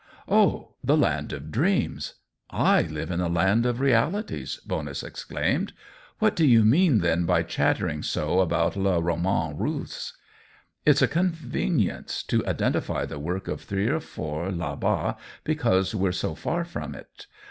" Oh, the land of dreams ! I live in the land of realities 1" Bonus exclaimed. " What do you all mean then by chattering so about le roman russeV* " It's a convenience — to identify the work of three or four, id bas^ because we're so far from it.